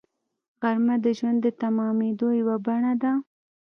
غرمه د ژوند د تمېدو یوه بڼه ده